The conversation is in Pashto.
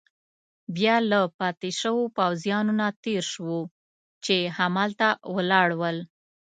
بیا له پاتې شوو پوځیانو نه تېر شوو، چې هملته ولاړ ول.